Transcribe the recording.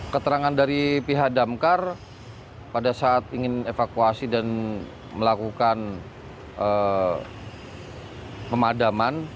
keterangan dari pihak damkar pada saat ingin evakuasi dan melakukan pemadaman